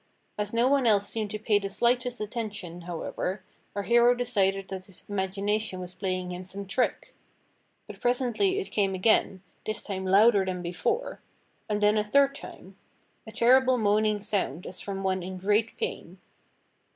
As no one else seemed to pay the slightest attention, however, our hero decided that his imagination was playing him some trick. But presently it came again, this time louder than before; and then a third time — a terrible moaning sound as from one in great pain.